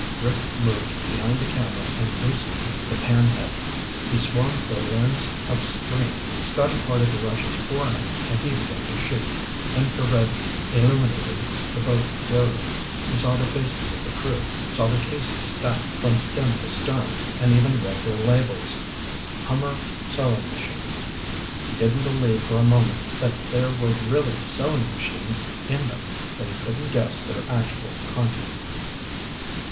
Rick moved behind the camera and loosened the pan head. He swung the lens upstream. Scotty parted the rushes for him and he began to shoot. Infrared illuminated the boat clearly. He saw the faces of the crew, saw the cases stacked from stem to stem and even read their labels. Hummer sewing machines. He didn't believe for a moment that there were really sewing machines in them, but he couldn't guess their actual content.